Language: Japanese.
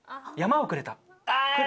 車をくれた。